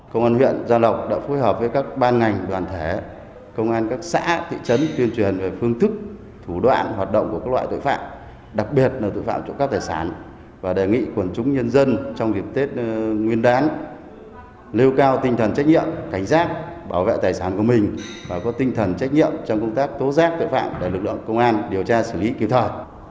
công an huyện gia lộc đã phối hợp với các ban ngành đoàn thể công an các xã thị trấn tuyên truyền về phương thức thủ đoạn hoạt động của các loại tội phạm đặc biệt là tội phạm trộm cắp tài sản và đề nghị quần chúng nhân dân trong việc tết nguyên đán lưu cao tinh thần trách nhiệm cảnh giác bảo vệ tài sản của mình và có tinh thần trách nhiệm trong công tác tố giác tội phạm để lực lượng công an điều tra xử lý cứu thở